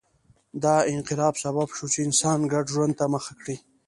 دا انقلاب سبب شو چې انسان ګډ ژوند ته مخه کړي